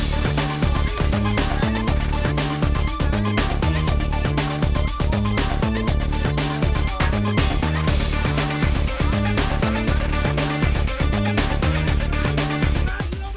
เดี๋ยวเดี๋ยวเดี๋ยว